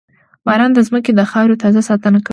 • باران د زمکې د خاورې تازه ساتنه کوي.